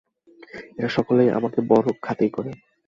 এরা সকলেই আমাকে বড় খাতির করে।